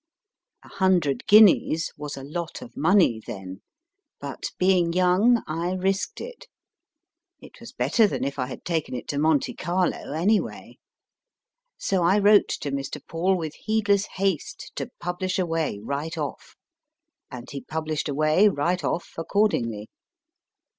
A hundred guineas was a lot of money then ; but, being young, I risked it. It was better than if I had taken it to Monte Carlo, anyway. So I wrote to Mr. Paul with heedless haste to publish away right off, and he published away right off accord ingly.